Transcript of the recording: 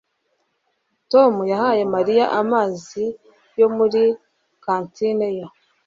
Tom yahaye Mariya amazi yo muri kantine ye.